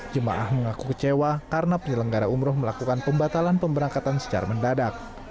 jemaah mengaku kecewa karena penyelenggara umroh melakukan pembatalan pemberangkatan secara mendadak